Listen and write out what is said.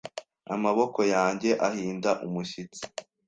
Amaboko yanjye ahinda umushyitsi,